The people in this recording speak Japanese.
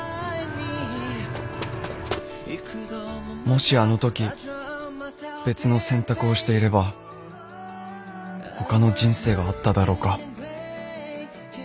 もしあのとき別の選択をしていれば他の人生があっただろうか